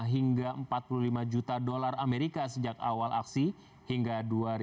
tiga puluh lima hingga empat puluh lima juta dolar amerika sejak awal aksi hingga dua ribu empat belas